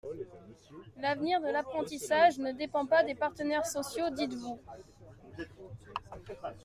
L’avenir de l’apprentissage ne dépend pas des partenaires sociaux, dites-vous.